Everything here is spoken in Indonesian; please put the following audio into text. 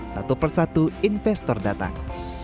satu persatu investor datang